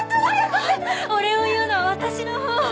お礼を言うのは私のほう！